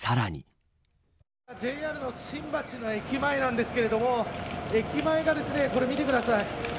ＪＲの新橋の駅前なんですけれども駅前が、これ見てください。